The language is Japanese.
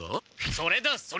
それだそれ！